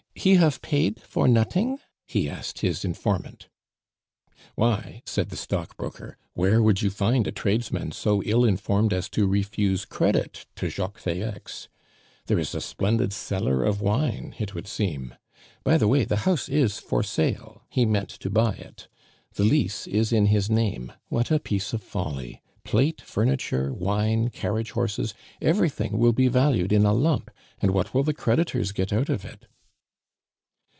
He hafe paid for noting?" he asked his informant. "Why," said the stockbroker, "where would you find a tradesman so ill informed as to refuse credit to Jacques Falleix? There is a splendid cellar of wine, it would seem. By the way, the house is for sale; he meant to buy it. The lease is in his name. What a piece of folly! Plate, furniture, wine, carriage horses, everything will be valued in a lump, and what will the creditors get out of it?"